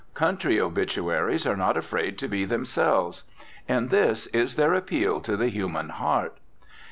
Country obituaries are not afraid to be themselves. In this is their appeal to the human heart.